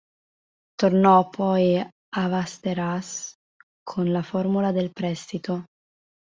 Tornò poi al Västerås con la formula del prestito.